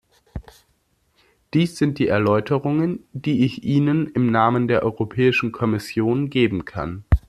Dies sind die Erläuterungen, die ich Ihnen im Namen der Europäischen Kommission geben kann.